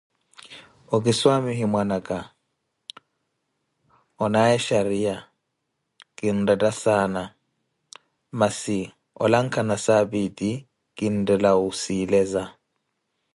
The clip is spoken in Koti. Okiswamihe mwana aka, onaawe xariya, akinretta saana, masi olankha nasaapi eti kinttela wusileza.